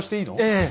ええ。